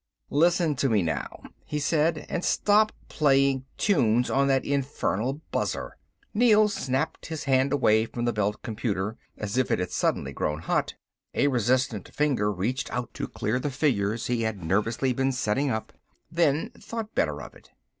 "Listen to me now," he said, "and stop playing tunes on that infernal buzzer." Neel snapped his hand away from the belt computer, as if it had suddenly grown hot. A hesitant finger reached out to clear the figures he had nervously been setting up, then thought better of it.